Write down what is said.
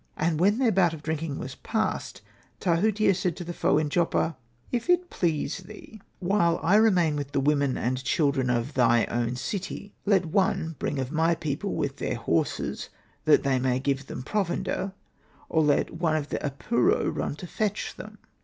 And when their bout of drinking was past, Tahutia said to the Foe in Joppa, " If it please thee, while Hosted by Google THE TAKING OF JOPPA 3 I remain with the women and children of thy own city, let one bring of my people with their horses, that they may give them pro vender, or let one of the Apuro run to fetch them."